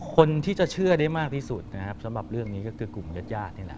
คนที่จะเชื่อได้มากที่สุดนะครับสำหรับเรื่องนี้ก็คือกลุ่มญาติญาตินี่แหละ